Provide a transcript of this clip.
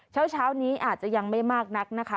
เช้านี้อาจจะยังไม่มากนักนะคะ